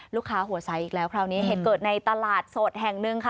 หัวใสอีกแล้วคราวนี้เหตุเกิดในตลาดสดแห่งหนึ่งค่ะ